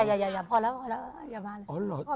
ไม่พอแล้วอย่ามาเลย